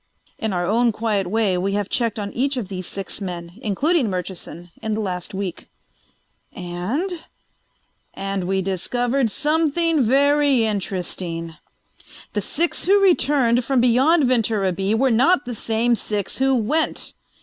In our own quiet way we have checked on each of these six men, including Murchison, in the last week." "And ...?" "And we discovered something very interesting. The six who returned from beyond Ventura B were not the same six who went!